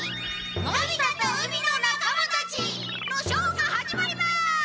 「のび太と海の仲間たち」！のショーが始まります！